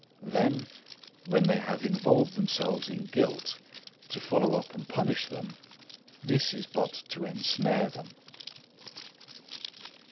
Then, when they have involved themselves in guilt, to follow up and punish them,—this is but to ensnare them."